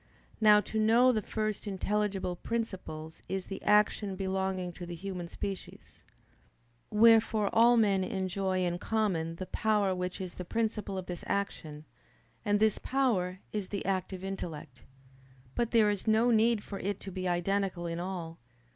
Now to know the first intelligible principles is the action belonging to the human species. Wherefore all men enjoy in common the power which is the principle of this action: and this power is the active intellect. But there is no need for it to be identical in all.